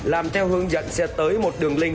làm theo hướng dẫn sẽ tới một đường link